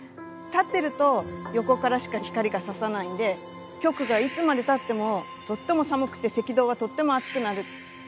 立ってると横からしか光がささないんで極がいつまでたってもとっても寒くて赤道はとっても暑くなる。